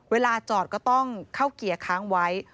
เวลาจอดก็ต้องเข้าเกียร์ค้างไว้